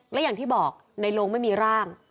และอย่างที่บอกในโรงไม่มีร่าง